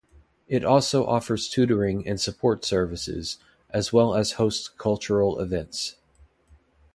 It also offers tutoring and support services, as well as hosts cultural events.